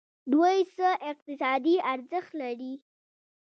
دوی څه اقتصادي ارزښت لري.